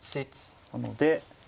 なので。